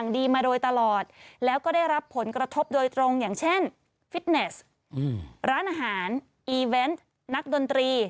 ดีมาโดยตลอดแล้วก็ได้รับผลกระทบโดยตรงอย่างเช่นฟิตเนสร้านอาหารอีเวนต์นักดนตรี